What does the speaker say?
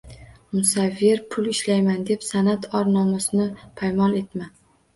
Musavvir, pul ishlayman deb san’at or-nomusini paymol etma